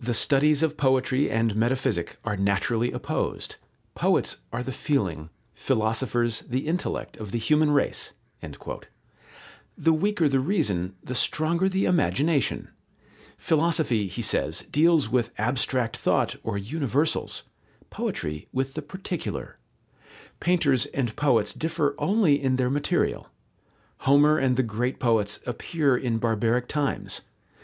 "The studies of Poetry and Metaphysic are naturally opposed. Poets are the feeling, philosophers the intellect of the human race." The weaker the reason, the stronger the imagination. Philosophy, he says, deals with abstract thought or universals, poetry with the particular. Painters and poets differ only in their material. Homer and the great poets appear in barbaric times.